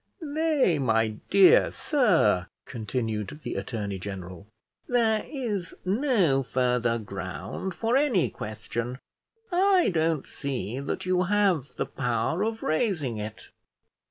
"Nay, my dear sir," continued the attorney general, "there is no further ground for any question; I don't see that you have the power of raising it."